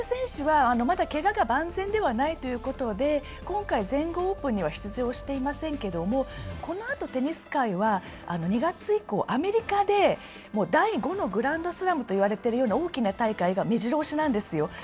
まだけがが万全ではないということで、今回全豪オープンには出場していませんけれども、このあとテニス界は２月以降、アメリカで第５のグランドスラムと言われているような大きな大会がめじろ押しなんですよ。